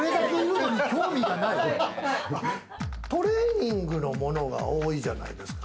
トレーニングのものが多いじゃないですか。